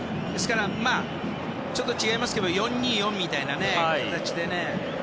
ちょっと違いますけど４−２−４みたいな形でね。